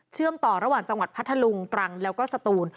ต่อระหว่างจังหวัดพัทธลุงตรังแล้วก็สตูน